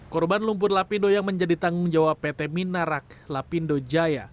korban lumpur lapindo yang menjadi tanggung jawab pt minarak lapindo jaya